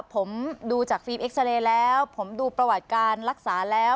ผมดูจากฟิล์มเอ็กซาเรย์แล้วผมดูประวัติการรักษาแล้ว